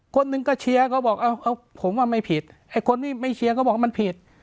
คนหนึ่งก็เชียร์ก็บอกเอาผมว่าไม่ผิดไอ้คนที่ไม่เชียร์ก็บอกว่ามันผิด